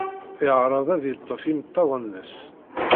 Yeɛreḍ ad yeḍḍef imeṭṭawen-nnes.